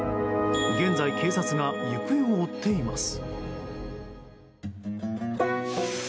現在、警察が行方を追っています。